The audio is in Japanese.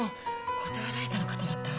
断られたのかと思ったわ。